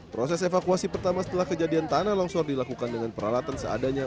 proses evakuasi pertama setelah kejadian tanah longsor dilakukan dengan peralatan seadanya